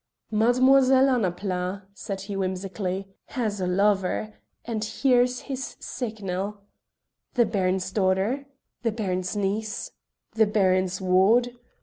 "Mademoiselle Annapla," said he whimsically, "has a lover, and here's his signal. The Baron's daughter? The Baron's niece? The Baron's ward?